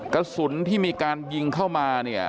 กระสุนที่มีการยิงเข้ามาเนี่ย